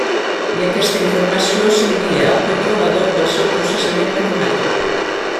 I aquesta informació s’envia al controlador pel seu processament matemàtic.